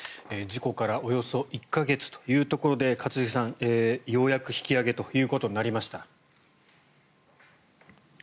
事故からおよそ１か月というところで一茂さん、ようやく引き揚げということになりました。